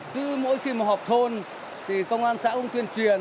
cứ mỗi khi mà họp thôn thì công an xã cũng tuyên truyền